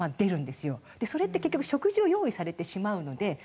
それって結局食事を用意されてしまうので。